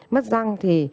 mất răng thì